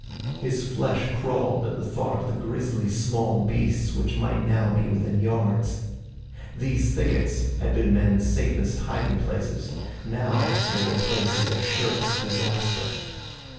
His flesh crawled at the thought of the grisly small beasts which now might be within yards. These thickets had been men's safest hiding places. Now they were places of surest disaster.